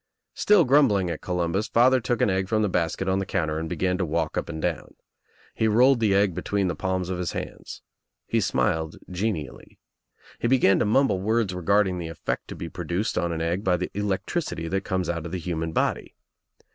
Still grumbling at Columbus, father took an egg from the basket on the counter and began to walk up and down. He rolled the egg between the palms of his hands. He smiled genially. He began to mumble words regarding the effect to be produced on an egg by the electricity that comes out of the human body.